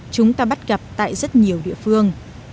chúng ta bắt gặp tại rất nhiều địa phương